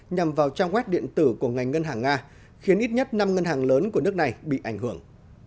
nhằm vào trang web điện tử của ngành ngân hàng nga khiến ít nhất năm ngân hàng lớn của nước này bị ảnh hưởng